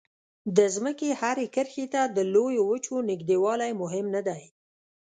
د ځمکې هرې کرښې ته د لویو وچو نږدېوالی مهم نه دی.